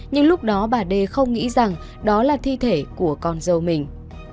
nhưng lúc đó bà đê không nghĩ rằng đó là thi thể của con dâu mình